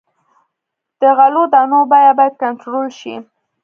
د غلو دانو بیه باید کنټرول شي.